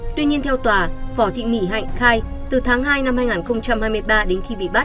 tuy nhiên theo tòa võ thị mỹ hạnh khai từ tháng hai năm hai nghìn hai mươi ba đến khi bị bắt